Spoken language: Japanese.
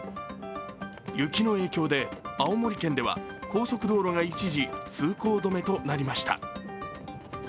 雪の影響で青森県では高速道路が一時通行止めとなりました。